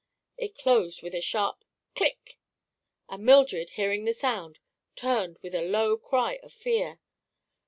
It closed with a sharp "click!" and Mildred, hearing the sound, turned with a low cry of fear.